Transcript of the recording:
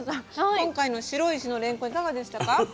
今回の白石のれんこんいかがでしたか？